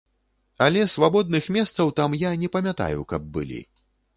Але свабодных месцаў там я не памятаю, каб былі.